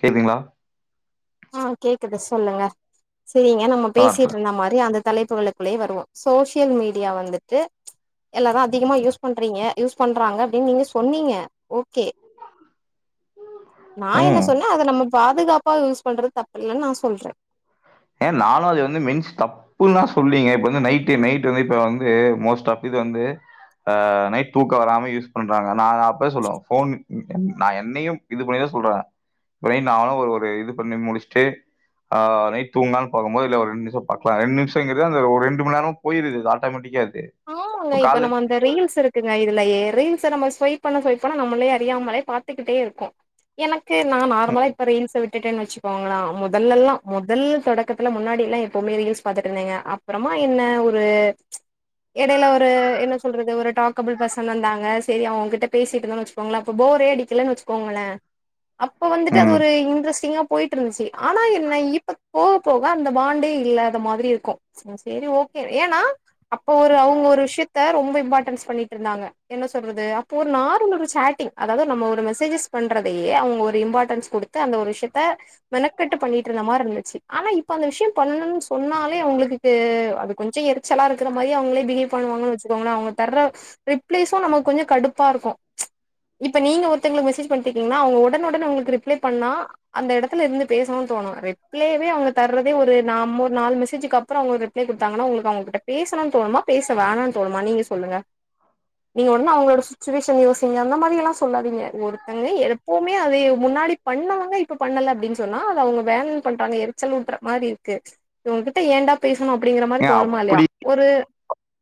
கேக்துங்ளா ஆ கேக்குது சொல்லுங்க சேரிங்க நம்ம அதான் பேசிட்ருந்த மாரி அந்த தலைப்புகளுக்குள்ளேயே வருவோ சோசியல் மீடியா வந்துட்டு எல்லாரு அதிகமா யூஸ் பண்றீங்க யூஸ் பண்றாங்க அப்டின் நீங்க சொன்னீங்க ஓ கே நா என்ன ம் சொன்ன அத நம்ம பாதுகாப்பா யூஸ் பண்றது தப்பில்லன் நா சொல்ற ஏ நானு அது வந்து மென்ஸ் தப் புல்லா சொல்லீங்க இப்ப வந்து நைட்டு நைட் வந்து இப்ப வந்து மோஸ்ட் ஆஃப் இது வந்து அ நைட் தூக்க வராம யூஸ் பண்றாங்க நா அப்பவே சொல்லுவ ஃபோனு நா என்னையும் இது பண்ணிதா சொல்ற இப்ப நைட் நானு ஒரு ஒரு இது பண்ணி முடிஸ்ட்டு ஆ நைட் தூங்குலான் பாக்கும்போது இல்ல ஒரு ரெண்ட் நிமிஷோ பாக்லா ரெண்டு நிமிஷங்கிறது அந்த ஒரு ரெண்டும நேர்மா போயிருது ஆட்டோமட்டிக்கா இது ஆமாங்க இப்ப நம்ம வந் இந்த ரீல்ஸ் இருக்குங்க இதுலயே ரீல்ஸ நம்ம ஸ்வைப் பண்ண ஸ்வைப் பண்ண நம்மளே அறியாமலே பாத்துக்கிட்டே இருக்கோ எனக்கு நா நார்மலா இப்ப ரீல்ஸ விட்டுட்டேன் வச்சு கோங்களா மொதலல்லா மொதல்ல தொடக்கத்துல முன்னாடில்லா எப்பவ்மே ரீல்ஸ் பாத்துட் இருந்தேங்க அப் புறமா என்ன ஒரு எடைல ஒரு என்ன சொல்றது ஒரு டாக்கபிள் பெர்சன் வந்தாங்க செரி அவ்ங்கிட்ட பேசிட்ருந்தோன் வச் கோங்ள அப்ப போரே அடிக்குலன் வச்சுகோங்குள அப்போ வந்துட்டு அது ம் ஒரு இன்ட்ரெஸ்ட்டிங்கா போய்ட்ருந்துச்சு ஆனா என்ன இப்ப போக போக அந்த பாண்டே இல்லாத மாதிரி இருக்கு சேரி ஓகே ஏனா அப்போ ஒரு அவ்ங்க ஒரு விஷ்யத்த ரொம்ப இம்பாட்டன்ஸ் பண்ணிட்ருந்தாங்க என்ன சொல்றது அப்போ ஒரு நார்மல்லு சாட்டிங் அதாவ்து நம்ம ஒரு மெசேஜஸ் பண்றதயே அவ்ங்க ஒரு இம்பாட்டன்ஸ் கொடு த்து அந்த ஒரு விஷ்யத்த மெனக்கிட்டு பண்ணிட்ருந்த மாரி இருந்துச்சு ஆனா இப்ப அந்த விஷ்யோ பண்ணனுன் சொன்னாலே அவுங்ளுக்கு து அது கொஞ்சோ எருச்சலா இரு க்கிற மாரி அவுங்ளே பிஹேவ் பண்ணுவாங்குன் வச்சுக்கோங்களே அவ்ங்க தர்ர ரிப்ளேஸு நமக் கொஞ்சோ கடுப்பா இருக்கு இப்ப நீங்க ஒருத்தங்ளுக் மெசேஜ் பண்ணிட்ருக்கீங்கனா அவ்ங்க ஒடனு ஒடனே உங்ளுக்கு ரிப்ளே பண்ணா அந்த எடத்துல இர்ந்து பேசணுன் தோணு ரிப்ளேவே அவ்ங்க தர்றதே ஒரு நாம் ஓர் நாலு மெசேஜுக்கப் புறோ அவ்ங்க ரிப்ளே குடுத்தாங்கனா உங்ளுக்கு அவ்ங்ககிட்ட பேசணுன் தோணுமா பேச வேணான் தோணுமா நீங்ளே சொல்லுங்க நீங்க ஒன்னு அவ்ங்ளோட சுச்சுவேஷன் யோசிங்க அந்த மாரியெல்லா சொல்லாதீங்க ஒருத்தங்க எப்பவுமே அதயே முன்னாடி பண்ணவங்க இப்ப பண்ணல அப்டின் சொன்னா அது அவ்ங்க வேண்ணு பண்றாங்க எரிச்சல் ஊட்ற மாரி இர்க்கு இவங்கிட்ட ஏன்டா பேசுனோ அப்டிங்கிற மாரி தோணுமா இல்லயா ஒரு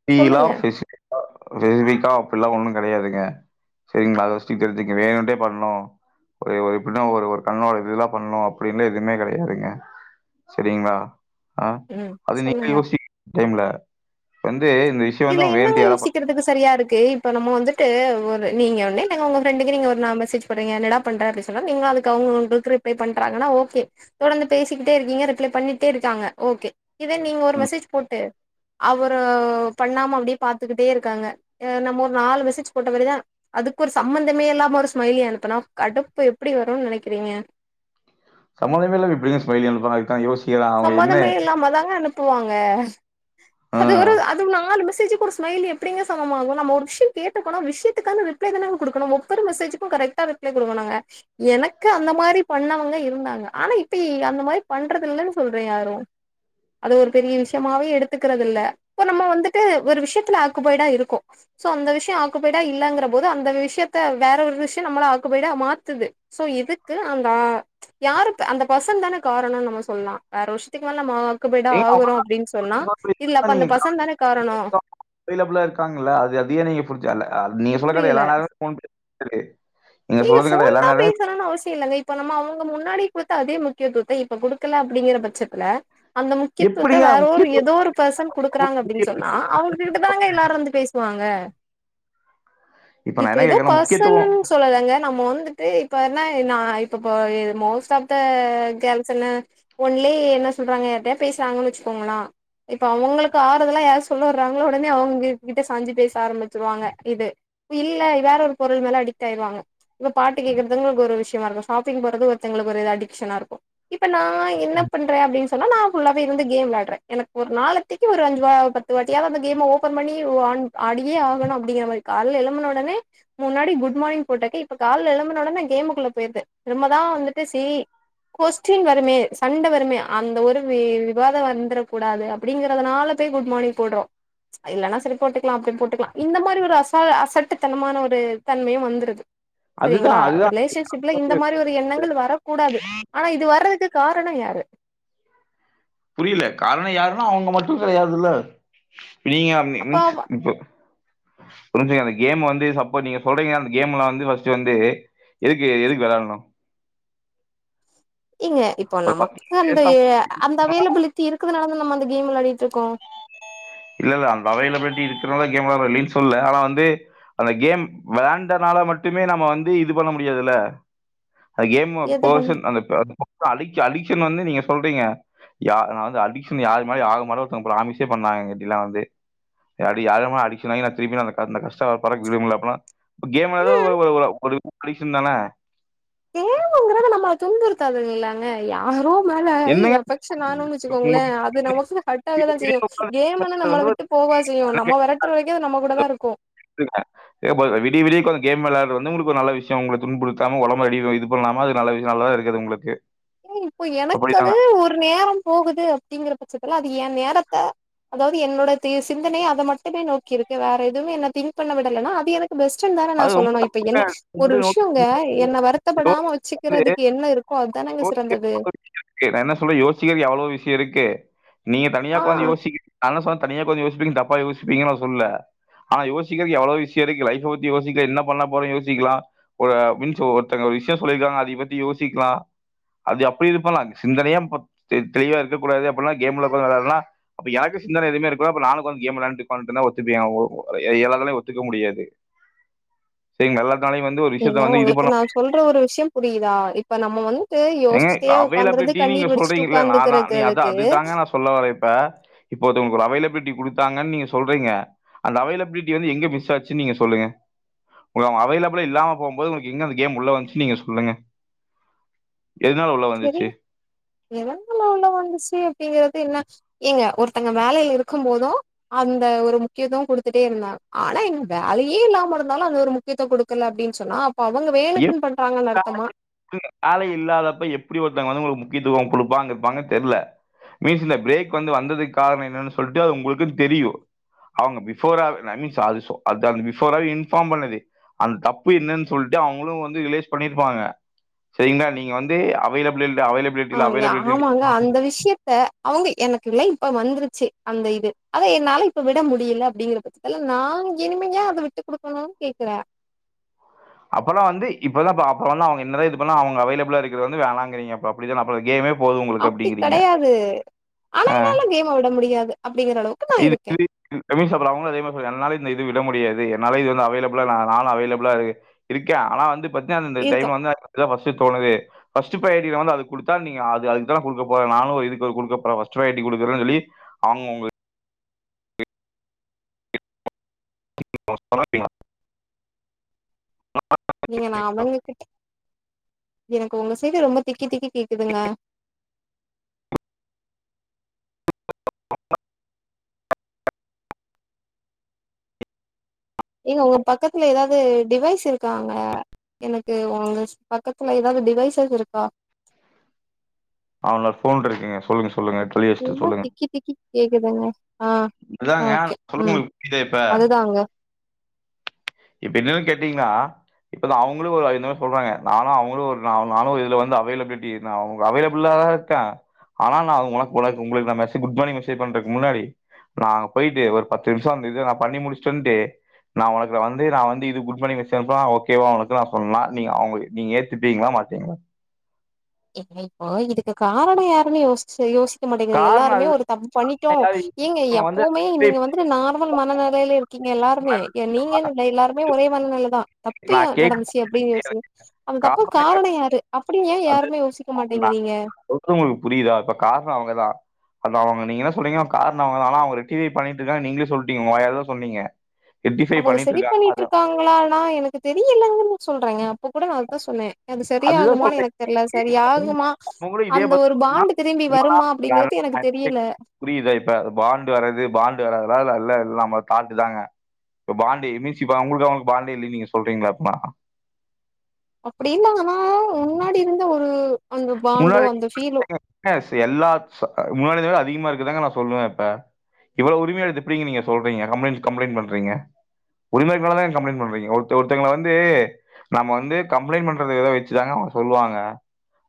பீ லா சொல்லுங்க ஃபெசிஃபாக்கா பெசிஃபிக்கா அப்புல்லா ஒன்னு கெடையாதுங்க செரிங்ளா அத ஃபஸ்ட்டு தெரிஞ்சுக்ங்க வேணுன்ட்டே பண்ணு ஒரு ஒரு எப்பின்னா ஒரு ஒரு கண்ணோட இதுல பண்ணு அப்டின்னு எதுமே கெடையாதுங்க சரிங்ளா ஆ ம் அது நீங்ளே சொல்லுங்க யோசிங்க டைம்ல வந்து இந்த விஷ் இதுல என்னங்க யோசிக்கறதுக்கு சரியா இருக்கு இப்போ நம்ம வந்துட்டு ஒரு நீங்க ஒட்னேதாங்க ஒங்க ஃபிரெண்டுக்கு நீங்க ஒரு நா மெசேஜ் போட்றீங்க என்னடா பண்ற அப்டி சொன்னாலு நீங்ளு அதுக் அவங்ளு வந்து ரிப்ளே பண்றாங்கனா ஓகே தொடர்ந்து பேசிக்கிட்டே இருக்கீங்க ரிப்ளே பண்ணிட்டே இருக்காங்க ஓகே இதே நீங்க ஒரு ம். மெசேஜ் போட்டு அவரு பண்ணாம அப்டியே பாத்துக்கிட்டே இருக்காங்க அ நம்ம ஒரு நாலு மெசேஜ் போட்டவரிதா அதுக்கு ஒரு சம்மந்தமே இல்லாம ஒரு ஸ்மைலி அனுப்புனா கடுப்பு எப்டி வருன் நெனைக்குறீங்க சமதமே இல்லாம எப்டிங்க ஸ்மைலி அனுப்வாங்க அதுக்கான யோஸ் சம்மதமே இல்லாம தாங்க அனுப்புவாங்க ஆ அது ஒரு அதுமில்லாம அந்த மெசேஜுக்கு ஒரு ஸ்மைலி எப்டிங்க சமமாகு நம்ம ஒரு விஷ்யோ கேட்ருக்கோனா விஷ்யத்துக்கான ரிப் ரிப்ளை தானங்க குடுக்கணு ஒவ்வொரு மெசேஜ்சுக்கு கரெக்டா ரிப்ளை குடுக்கனுங்க எனக்கு அந்த மாரி பண்ணவங்க இருந்தாங்க ஆனா இப்பய் அந்த மாரி பண்றதுல்லன் சொல்றே யாரு அது ஒரு பெரிய விஷயமாவே எடுத்துக்கறது இல்ல இப்ப நம்ம வந்துட்டு ஒரு விஷயத்துல ஆக்குபைடா இருக்கோ சோ அந்த விஷயோ ஆக்குபைடா இல்லங்கிற போது அந்த விஷயத்த வேற ஒரு விஷயம் நம்மள ஆக்குபைடா மாத்துது சோ இதுக்கு அந்த ஆ யாரு அந்த ஃபேர்சன் தான காரணோன் நம்ம சொல்லா வேற விஷத்துக்கு மேல நம்ம ஆக்குபைடா ஏங்க ஆகுறோ அவங்க அப்டின் சொன்னா இல்ல அப்ப அந்த ஃபர்சன் தான காரணோ அவேலபிளா இருக்காங்கல்ல அது அதயே நீங்க புடிச்சா இல்ல நீங்க சொல்ற கடை புரியல எல்லா நேரமு ஃபோன் [unintelligible] ஏங்க சொல்றது கடை ஃபோன் எல்லா தா நேரமு பேசனுன் அவசியோ இல்லங்க இப்ப நம்ம அவங்க முன்னாடி குடுத்த அதே முக்கியத்துவத்த இப்ப குடுக்கல அப்டிங்கிற பச்சத்துல அந்த முக்கியத்துவத்த வேற ஒரு ஏதோ எப்டிங்க ஒரு பெர்சன் குடுக்குறாங்க அப்டின் சொன்னா அவங்க [unintelligible] தாங்க எல்லாரு வந்து பேசுவாங்க நான் இப்ப என்ன ஏதோ கேட்கறேன் முக்கியத்துவம் ஃபர்சனல்னு சொல்லங்க நம்ம வந்து து இப்ப என்ன நா இப்ப போ மோஸ்ட் ஆப் த ஃகேள்ஸ்ன்னு ஒன்லே என்ன சொல்றாங்க யார்டயா பேசுறாங்கன் வச்சுக்கோங்களா இப்போ அவுங்களுக்கு ஆறுதலா யார்லா சொல்லவறாங்களோ ஒடனே அவங்க கிட்ட சாஞ்சி பேச ஆரம்பிச்சிருவாங்க இது இல்ல வேற ஒரு பொருள் மேல அடிக்ட் ஆயிருவாங்க இப்ப பாட்டு கேக்குறதுங்க்கு ஒரு விஷயமா இருக்கு ஷாப்பிங் போறது ஒருத்தங்களுக்கு ஒரு இது அடிக்ஷனா இருக்கு இப்ப நா என்ன பண்ற அப்டின் சொன்னா நா ஃபுல்லாவே இருந்து கேம் விளாட்ற எனக்கு ஒரு நாளத்திக்கு ஒரு அஞ்சிவா பத்து வாட்டியாது கேம ஓபபன் பண்ணி ஆன் ஆடியே ஆகனு அப்டிங்கிற மாரி கால்ல எழும்பன ஒடனே முன்னாடி குட் மார்னிங் போட்டக்க இப்ப கால்ல எலும்பன ஒடனே கேமுக்குள்ள போய்ருது ரொம்பதா வந்துட்டு சீ கொஸ்டின் வருமே சண்ட வருமே அந்த ஒரு வி விவாதோ வந்ரக் கூடாது அப்டிங்கிறதுனால போய் குட் மார்னிங் போட்றோ இல்லன்னா செரி போட்டுக்லா அப்டியு போட்டுக்லா இந்த மாரி ஒரு அசா அசட்டுத்தனமான ஒரு தன்மையு வந்துருது சரிங்களா அதுதான் ஒரு அதுதான் ரிலேஷன்ஷிப்ல வந்து இந்த மாரி ஒரு எண்ணங்கள் வரக்கூடாது ஆனா இது வர்றதுக்கு காரணோ யாரு புரியல காரணோ யாருன்னா அவங்க மட்டு கெடையாதுல்ல நீங்க ம் அப்போ ம் இப்போ புரிஞ்சிங்க அந்த கேம் வந்து சப்போ நீங்க சொல்றீங்க அந்த கேம்ல வந்து ஃபஸ்ட்டு வந்து எதுக்கு எதுக்கு வெளாட்னு ஏங்க இப்போ ஒரு நமக்கு பத்து அந்த பேசா அந்த அவைலபிலிட்டி இருக்குதுனால தா நம்ப அந்த கேம் வெளாடிட்டு இருக்கோ இல்ல இல்ல அந்த அவேப்லிட்டி இருக்கறனால கேம் வெளாட்றோ இல்லைன் சொல்ல ஆனா வந்து அந்த கேம் விளாண்டனால மட்டுமே நம்ம வந்து இது பண்ண முடியாதுல்ல அந்த கேம் எது பண்ண பர்சன் அந்த அடிக்ஷன் அடிக்சன் வந்து நீங்க சொல்றீங்க யா நா வந்து அடிக்க்ஷன் யார் மாரியு ஆக மாட்டன் ஒருத்தங்க ப்ராமிசே பண்ணாங்க எங்ககிட்டேலா வந்து அப்டி யாரமா அடிக்ஷன் ஆகி நா திருப்பி அந்த கஷ்ட படுறக்கு நா விரும்பல அப்பனா இப்ப கேம் விளாட்றது ஒ ஒ ஒரு அடிக்க்ஷன் தான ஆனா நம்ம அது துண்புறுத்தாதுங்கல்ல ஏங்க யாரோ மேல என்னங்க எபெக்ஷன் ஆனோனு வச்சுக்கோங்கள உங்களுக்கு அது நமக்கு ஹட்டாக விடிய தா விடிய செய்யு உட்கார்ந்து கேம்ன்னா நம்மள வந்து விட்டு போவா செய்யு நம்ப வெரட்ற வரைக்கு அது நம்ப கூட தா இருக்கு [inaudible] ம் விடிய விடிய உக்காந்து கேம் வெளாட்றது வந்து ஒங்ளுக்கு ஒரு நல்ல விஷ்யோ ஒங்கள துன்புடுத்தாம ஒடம்ப அடின் இது பண்லாமா அது நல்லது நல்லதா இருக்கு அது ஒங்ளுக்கு ஏ இப்ப எனக்கு அது ஒரு நேரோ போகுது அப்டிங்கற பச்சத்துல அது ஏ நேரத்த அதாவது என்னோட சிந்தனயே அத மட்டுமே நோக்கி இருக்கு வேற எதுமே என்ன திங் பண்ண விடலன்னா அது எனக் பெஸ்ட்ண் தானே நா அது ரொம்ப சொல்லனு இப்ப தப்புங்க. என்ன ஒரு உங்கள்ட்ட விஷயோங்க என்ன நோக்கி- வருத்தப்படாம வந்து வச்சிக்கிறதுக்கு என்ன இருக்கோ அதானங்க சிறந்தது ஓகே நா என்ன சொல்றே யோசிக்கிறதுக்கு எவ்ளோ விஷயோ இருக்கு நீங்க தனியா ஆ ஒக்காந்து யோஷ்ச் நா என்ன சொல்றே தனியா ஒக்காந்து யோசிப்பிங்க தப்பா யோசிப்பீங்கன்னு நா சொல்ல ஆனா யோசிக்கிறதுக்கு எவ்ளோ விஷயோ இருக்கு லைஃப்அ பத்தி யோசிக்க என்ன பண்ண போறே யோசிக்கலா ஒரு மின்சோ ஒருத்தங்க ஒரு விஷயோ சொல்லிருக்காங்க அத பத்தி யோசிக்கலா அது அப்டி இது பண்ணலா சிந்தனையா இப்ப தெளிவா இருக்கூடாது அப்டின்னா கேம்ல தா வெளாட்லா அப்ப எனக்கு சிந்தனை எதுமே இருக்குகூடாது அப்ப நானு வந்து ஒக்காந்து கேம் வெளாண்டு ஒத்துபியா யாராலயு ஒத்துக்க முடியாது செரி நல்லா தானே இவன் ஏங்க ஒங்களுக்கு நா சொல்ற ஒரு விஷயம் புரிதா இப்ப நம்ப வந் ட்டு ஏங்க யோஷ்ச்சிட்டே ஒக்காந்துறது அவைலபிலிட்டி நீங்க கண்ணீர் வடிச்சிட்டு சொல்றீங்கல்ல நான் தான் நீ அதான் ஒக்காந்துறக்கனகனக்கு அதுதாங்க நான் சொல்ல வரே இப்ப இப்போது ஒரு அவைலபிலிட்டி குடுத்தாங்கன்னு நீங்க சொல்றீங்க அந்த அவைலபிலிட்டி வந்து எங்க மிஸ் ஆச்சின்னு நீங்க சொல்லுங்க ஒரு அவன் அவைலபிலா இல்லாம போம்போது உங்ளுக்கு எங்க அந்த கேம் உள்ள வந்துச்சி நீங்க சொல்லுங்க எதுனால உள்ள வந்துச்சி எதுனால உள்ள வந்துச்சி அப்டிங்கிறது என்னா ஏங்க ஒருத்தங்க வேலைல இருக்கும் போது அந்த ஒரு முக்கியத்துவோ குடுத்துட்டே இருந்தா ஆனா எனக்கு வேலையே இல்லாம இருந்தாலு அந்த ஒரு முக்கியதுவ குடுக்கல அப்டின்னு சொன்னா அப்ப அவங்க வேணுகுனு பண்றாங்கன்னு அர்த்தமா ம் ஆளே இல்லாதப்ப எப்டி ஒருத்வங்க வந்து உங்களுக்கு முக்கியத்துவம் குடுப்பாங்க இருப்பாங்க தெர்ல மீன்ஸ் ல பிரேக் வந்து வந்ததுக்கு காரணம் என்னன்னு சொல்லிட்டு அது உங்களுக்கும் தெரியும் அவூங்க பிபோராவே நா இன்னும் சாரி சோ அது பிபோர்ராவே இன்ஃபார்ம் பண்ணது அந் தப்பு என்னன்னு சொல்ட் ட்டு அவுங்களும் வந்து ரிலைஷ் பண்ணிருப்பாங்க செரிங்களா நீங்க வந்து அவைலபல் இல்ல அவை ஆங்க ஆமாங்க அந்த விஷ்யத் த அவூங்க எனக்கு லைன் இப்ப வந்துருச்சு அந்த இது அத என்னால இப்ப விட முடில அப்டிங்குற பட்சத் துல நான் இனிமே ஏன் அத விட்டு குடுக்கணும்னு கேக்கற அப்பெல்லாம் வந்து இப்பதான் ப்ப அப்பல்லாம் அவுங்க என்னதான் இது பண்ண அவங்க அவைலபிளா இருக்கிறது வந்து வேணாங்கிறீங்க அப்டித்தான் அப்ப கேமே போது உங்களுக்கு அப்படிங் கெடயாது ஆனா என்னால கேம்ம விட முடியாது அப்டிங்கிற அளவுக்கு நான் இருக்கேன் எப்டி சொல்றாங்களோ அதே மாதிரி சொல் என்னால இந்த இது விட முடியாது என்னால இது வந்து அவைலபிளா நா நான் அவைலபிளா இரு இருக்கே ஆனா வந்து பத்தீன அந்த இருக்கோ டைம்ல வந்து அதுதா ஃபஸ்ட் தோணுதே பஸ்ட் பிரியாரிட்டி ரவுண்டுல அத குடுத்தா நீங்க அது அதுக்கு குடுக்க போற நானும் ஒரு இது க்கு குடுக்க போறே ஃபஸ்ட் பிரியாரிட்டி குடுக்கறேன்னு சொல்லி அவூங்க உங்க போவான் இவன் நீங்க நா அவைலபிளிட்டி எனக்கு உங்க சைட் ரொம்ப திக்கி திக்கி கேக்குதுங்க ஏங்க உங்க பக்கத்துல ஏதாவது டிவைஸ் இருக்காங்க எனக்கு உங்க பக்கத்துல ஏதாவது டிவைசஸ் எது இருக்கா அவங்க போன் இருக்குங்க சொல்லுங்க சொல்லுங்க தெளிவச்சிட்டு என்ன சொல்லுங்க திக்கி திக்கி கேக்குதுங்க ஆ இதுதாங்க ஓகே சொல்லுங்க ம் உங்களுக்கு புரியுதா இப்ப அதுதாங்க இப்ப என்னன்னு கேட்டீங்களா இப்பதான் அவங்களும் ஒரு என்னவோ சொல்றாங்க ஆனா அவங்களும் ஒரு நா நானும் இதுல வந்து அவைலபிலிட்டி இரு அவங்க அவைலபிள்ளா கா ஆனா நா ஒனக்கு உங்களுக்கு மெசஜ் குட்மார்னிங் மெசேஜ் பண்றக்கு முன்னாடி நா அங்க போயிட்டு ஒரு பத்து நிமிஷம் அந்த இத நா பண்ணி முடிச்சிட்டு வந்து நா உனக் இவ வந்து நா வந்து இது குட் மார்னிங் மேஷே அனுப்னா ஓகேவா உனக்கு நா சொன்னா நீங்க அவங்க நீங்க ஏத்துப்பீங்களா மாட்டீங்களா ன்ன நீ இப்போ இதுக்கு காரணம் யாருன்னு யோசிச்சு யோசி க்க மாட்டிங்கிரிங்க காரணம் எல்லாருமே அதுதான் ஒரு தப்பு பண்ணிட்டோம் யாரும் ஏங்க அவங்க வந்து எப்பவுமே நீங்க வந்துட்டு நார்மல் மனநெலயில இருப் கீங்க எல்லாருமே ஏ நீங்கன்னுல்ல எல்லாருமே ஒரே மனநில தான் தப்பு ஏ நான் கேட்கறது நடந்துச்சு உங்களுக்கு அப்டின்னு தெரியாது. யோசிங்க அந்த தப்புக்கு காரணம் யாரு அப்டின்னு ஏ யாருமே யோசிக்க மாட்டேங்கிறீங்க ஒர்க்கு உங்களுக்கு புரியுதா இப்ப காசும் அவங்கதான் அது அவங்க நீங்க ன்ன சொல்றீங்க காரணம் அவங்க தா ஆனா அவுங்க ரெக்டிவை பண்ணிட்டு இருக்காங்க நீங்களே சொல்லிட்டீங்க உங்க வாயல சொன்னீங்க ரெக்டிஃபை அவங்க சரி இருக்காங்க பண்ணிட்டு அது இருக்காங்களானா எனக்கு தெரிலைங்க சொல்றேன்ங்க அப்ப கூட நா அததான் சொன்னே அது அதுதா சரியாகுமான்னு சொல்றேன் எனக்கு தெரில சரியாகுமா அவங்களும் இதே அந்த பதில் ஒரு பாண்டு திரும்பி உங்களா வருமா அப்டிங்றது எனக்கு தெரில புரியுதா இப்ப பாண்டு வரது பாண்டு வராததுலா அல்ல எல்ல நம்ம தாட்டுதாங்க இப்ப பாண்டு என் இ சி இப்ப அவங்களுக்கு அவங்களுக்கு பாண்டே இல்ல நீங்க சொல்றீங்களா ப்பா அப்டினாங்கன்னா முன்னாடி இருந்த ஒரு அந்த பாண்டோ அந்த ஃபீலோ காசு எல்லா ச் முன்னாடிந்து நா அதிகமா இருக்குதாங்க நா சொல்லுவேன் இப்ப இவ்ளோ உரிமையடத்து எப்டிங்க நீங்க சொல்றீங்க கம்ளைண்ட் கம்ப்ளைண்ட் பண்றீங்க உரிம இருக்ரெனால தான் கம்ப்ளைண்ட் பண்றீங்க ஒருத்த ஒருத்தங்கள வந்து நம்ம வந்து கம்ப்ளைண்ட் பண்றத இத வச்சுதாங்க அவங்க சொல்லுவாங்க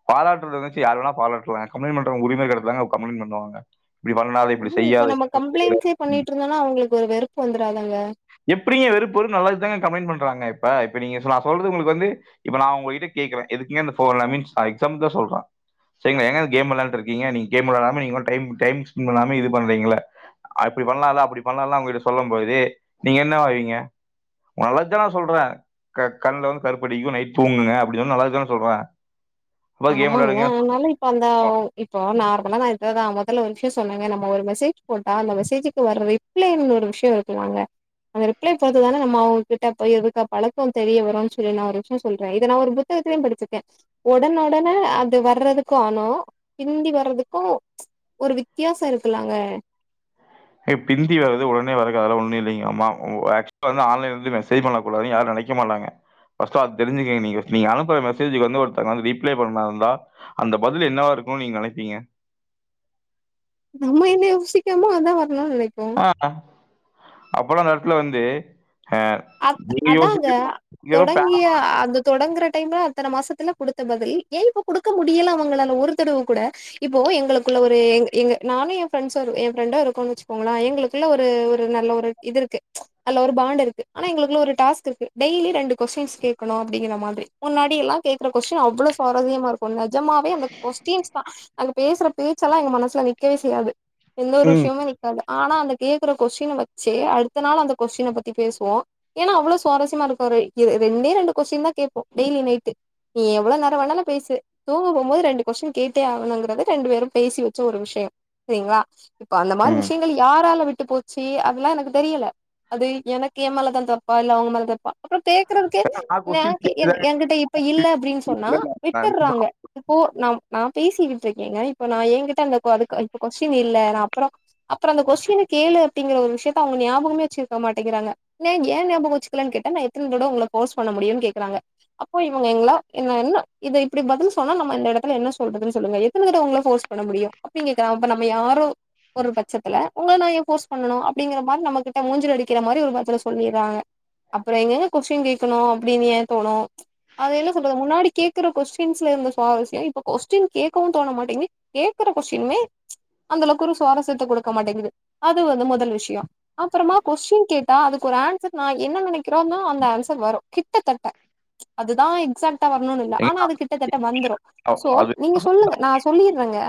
பாராட்டுறது வச்சு யார்ருவேணா பாராட்டலா கம்ப்ளைண்ட பண்றவங்க உரிம இருக்குற எடத்துல தாங்க கம்பிளைன்ட் பண்ணுவாங்க இப்டி பண்ணாத இப்டி செய்யாத எக்ஸ்போட் [unintelligible] பண்ணிட்டுருந்தேனா அவங்களுக்கு வெறுப்பு வந்துராதாங்க எப்டிங்க வெறுப்பு வரும் நல்லதுக்கு தாங்க கம்ப்ளைண்ட் பண்றாங்க இப்ப இப்ப நீங்க நா சொல்றது உங்களுக்கு வந்து இப்ப நா உங்க கிட்ட கேக்குறேன் எதுக்கு இந்த போ லாம் ஐ மீன்ஸ் எக்சாம்ப்பிள் தான் சொல்றேன் செரிங்களா ஏங்க கேம் வெளயாண்டு இருக்கீங்க நீங்க கேம் வெளயாடம நீங்களும் டைம் டைம் ஸ்பெண்ட் பண்ணாம இது பண்றீங்கள்ள அப்டி பண்லாம்ல அப்டி பண்லாமல அவங்கட்ட சொல்லும் போது நீங்க என்ன ஆவீங்க வளக்கலாம் சொல்றேன் க கண்ல வந்து கருப்படிக்கும் நைட் தூங்குங்க அப்டினு நல்லதுக்கதான் சொல்றேன் அப்பா கேம் ஆமாங்க விளையாடுங்க ஆனாலும் இப் இப்ப அந்த சொல்லுவோம். இப்போ நார்மலா இத தான் மொதல்ல ஒரு விஷயம் சொன்னங்க நம்ம ஒரு மெசேஜ் போட்டா அந்த மெசேஜுக்கு வர்ர ரீப் லென்னு ஒரு விஷயம் இருக்குதாங்க அந்த ரிப்ளே பத்துதானே நம்ம அவங்ககிட்ட போய் இருக்க பழக்கம் தெரிய வரும்னு சொல்லி நான் ஒரு விஷயம் சொல்றேன் இது நான் ஒரு புத் தகத்துலயும் படிச்சிருக்கேன் ஒடனஒடனே அது வர்றதுக்கும் ஆனும் பிந்தி வர்றதுக்கும் ச்சி ஒரு வித்தியாசம் இருக்குலேங்க ஏய் பிந்திவரது ஒடனே வறது அதெல்லாம் ஒன்னு இல்லிங்க ஆமா ஆக்க்ஷுலா வந்து ஆன்லைன்ல இருந்து மெசஜ் பண்ண கூடாது யாரு நெனைக் க மாட்டாங்க ஃபஸ்டு அத தெரிஞ்சுங்க நீங்க ஃபஸ்ட் நீங்க அனுப்புற மெசேஜ்ஜுகு வந்து ஒருத்தவுங்க ரீப்ளே பண்ணாமருந்தா அந்த பதிலு என்னவா இருக்கும்னு நீங்க நெனைப்பீங்க நம்ம என்ன யோசிக்ரமோ அதான் வரனும்னு நெனைப்போம் அ அங் அப்பல்லாம் அந்த நேரத்துல வந்து அத் நீங்க அதாங்க யோசிச்சு ஏதோ பே தொடங்கிய அது தொடங்குற டைம்ல அத்தன மாசத்துல குடுத்த பதில் ஏன் இப்ப குடுக்க முடியல அவுங்களால ஒரு தடவ கூட இப்போ எங்களுக்குள்ள ஒரு எங்க எங்க நானும் என் ஃப்ரண்ஷும் என் ஃப்ரண்டோ இருக்கோன்னு வச்சுக்கோங்களேன் எங்களுக் குள்ள ஒரு ஒரு நல்ல ஒரு இது இருக்கு நல்ல ஒரு பாண்டுருக்கு ஆனா எங்களுக்குள்ள ஒரு டாஸ்க்கு இருக்கு டெய்லி ரெண்டு கொஸ்டின்ஸ் கேக்கணும் அப்டிங்ற மாதிரி முன்னாடி எல்லாம் கேக் ற கொஸ்டின் அவ்ள சுவாரசியமா இருக் கும் நெஜமாவே அந்த கொஸ்டின்ஸ் தான் அங்க பேசுற பேச்செல்லாம் எங்க மனசுல நிக்கவே செய்யாது எந்த ஒரு ம் விஷயமுமே இருக்காது ஆனா அந்த கேக்குற கொஸ்டின வச்சே அடுத்த நாள் அந்த கொஸ்டின பத்தி பேசுவோம் ஏன்னா அவ்ளோ சுவாரஸ்யமா இருக்கும் ரெ இரு ரெண்டே ரெண்டு கொஸ்டின் தா கேப்போம் டெய்லி நைட்டு நீ எவ்ள நேர வேணாலும் பேசு தூங்க போகும்போது ரெண்டு கொஸ்டின் கேட்டே ஆகணுங்கிறது ரெண்டு பேரும் பேசி வச்ச ஒரு விஷயம் செரிங்ளா இப்ப அந்த மாரி ம் விஷயங்கள் யாரால விட்டு போச்சு அதெல்லா எனக்கு தெரியல அது எனக்கு எம்மேலதா தப்பா இல்ல அவுங்க மேல தப்பா அப்பறம் கேக்குறதுக்கே நா கொஸ்டின் என் கேட்டுதாங்க என்கிட்ட இப்ப இல்ல அப்டின் திருப்பி- சொன்னா இல்ல, இல்ல, நான் விட்டுற்றாங்க இப்போ ந நா பேசிட்டு இருக்கேங்க இப்போ நா ஏன்கிட்ட அந்த கொ அதுக்கு கொஸ்டின் இல்ல நா அப்பறம் அப்பறம் அந்த கொஸ்டின் கேளு அப்டிங்கிற ஒரு விஷயத்த அவுங்க நயாபகமே வச்சிருக்க மாட்டேங்கிறாங்க ஏ ஏன் நயாபக வச்சுகலன்னு கேட்டா நா எத்தன தடவ உங்கள ஃபோர்ஸ் பண்ண முடியும்னு கேக்குறாங்க அப்போ இவங்க எங்களா என் என்ன இத இப்டி பதில் சொன்னா நம்ம இந்த எடத்துல என்ன சொல்றதுன்னு சொல்லுங்க எத்தன தடவ உங்கள ஃபோர்ஸ் பண்ண முடியும் அப்டிங் கேக்குறான் நம்ம யாரோ ஒரு பட்சத்துல உங்கள நா ஏன் ஃபோர்ஸ் பண்ணணும் அப்படிங்கற மாரி நம்ம கிட்ட மூஞ்சில அடிக்கிற மாரி ஒரு பதில சொ சொல்லிறாங்க அப்பறம் எங்கங்க கொஸ்டின் கேக்கணும் அப்டின்னு ஏன் தோணும் அத என்ன சொல்றது முன்னாடி கேக்குற கொஸ்டின்ஸ்ல இருந்த சுவாரஸ்யம் இப்ப கொஸ்டின் கேக்கவு தோண மாட்டங்கி கேக்குற கொஸ்டினுமே அந்த அளவுக்கு ஒரு சுவாரசியத்த குடுக்க மாட்டேங்குது அது வந்து மொதல் விஷயம் அப்பறமா கொஸ்டின் கேட்டா அதுக் ஒரு ஆன்சர்னா என்ன நெனைக்கிறோம்னா அந்த ஆன்சர் வரும் கிட்டத்தட்ட அதுதான் இக்ஸா வரணுனு இல்ல ஆனா அது கிட்டத்தட்ட வந்துரும் சோ நீங்க அது சொல்லுங்க நான் சொல்லிறேங்க